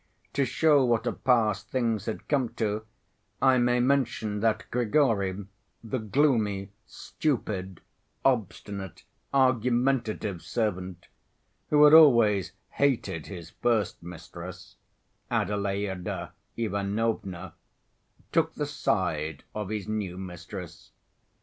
To show what a pass things had come to, I may mention that Grigory, the gloomy, stupid, obstinate, argumentative servant, who had always hated his first mistress, Adelaïda Ivanovna, took the side of his new mistress.